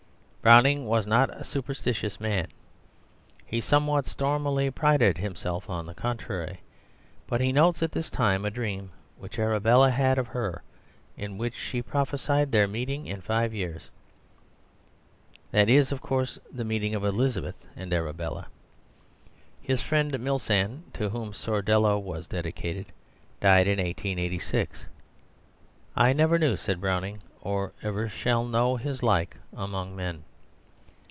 Browning was not a superstitious man; he somewhat stormily prided himself on the contrary; but he notes at this time "a dream which Arabella had of Her, in which she prophesied their meeting in five years," that is, of course, the meeting of Elizabeth and Arabella. His friend Milsand, to whom Sordello was dedicated, died in 1886. "I never knew," said Browning, "or ever shall know, his like among men."